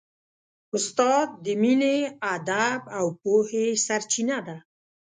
استاد د مینې، ادب او پوهې سرچینه ده.